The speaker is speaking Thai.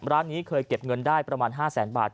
ร้านนี้เคยเก็บเงินได้ประมาณ๕แสนบาท